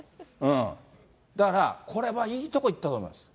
だから、これはいいとこいったと思います。